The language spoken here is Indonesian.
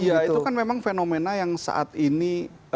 iya itu kan memang fenomena yang saat ini